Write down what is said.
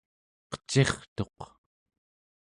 qecirtuq